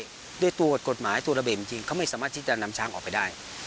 ก็ด้วยตัวกฎหมายตัวระเบบที่มีตัวแบบจริงเขาไม่สามารถทำนำช้างออกไปได้